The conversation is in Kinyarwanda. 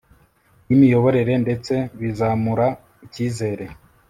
y imiyoborere ndetse bizamura icyizere